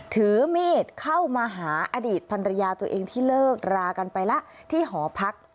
ถือมีดเข้ามาหาอดีตภรรยาตัวเองที่เลิกรากันไปแล้วที่หอพัก